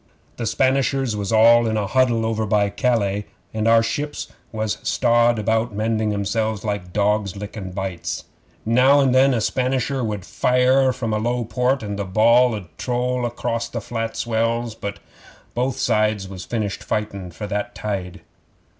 The Spanishers was all in a huddle over by Calais, and our ships was strawed about mending 'emselves like dogs lickin' bites. Now and then a Spanisher would fire from a low port, and the ball 'ud troll across the flat swells, but both sides was finished fightin' for that tide.